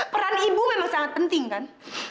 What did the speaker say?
peran ibu memang sangat penting kan